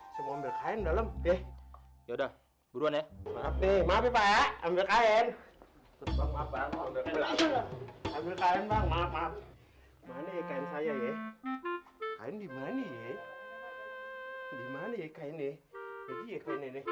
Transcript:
tentualah hai hai hai i corresponds